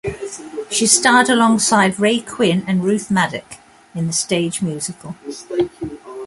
She starred alongside Ray Quinn and Ruth Madoc in the stage musical.